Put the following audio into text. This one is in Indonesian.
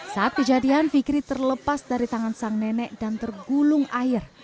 saat kejadian fikri terlepas dari tangan sang nenek dan tergulung air